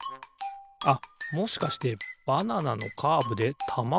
あっもしかしてバナナのカーブでたまがターンする？